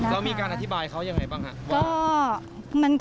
แล้วมีการอธิบายเค้ายังไงบ้าง